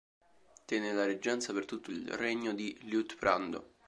Tenne la reggenza per tutto il regno di Liutprando.